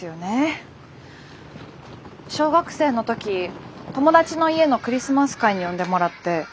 小学生の時友達の家のクリスマス会に呼んでもらって。